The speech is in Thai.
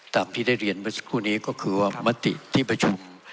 ตามที่ได้เรียนเมื่อสักครู่นี้ก็คือว่ามติที่ประชุม